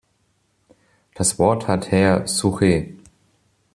Das Wort hat Herr Souchet.